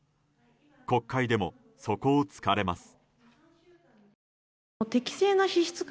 国会でも、そこを突かれます。